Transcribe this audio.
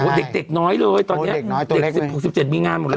เด็กน้อยเลยตอนนี้เด็ก๑๖๑๗มีงานหมดเลย